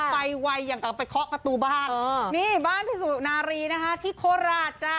ไวอย่างเอาไปเคาะประตูบ้านนี่บ้านพี่สุนารีนะคะที่โคราชจ้ะ